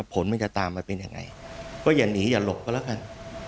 ผลมันจะตามมาเป็นยังไงก็อย่าหนีอย่าหลบก็แล้วกัน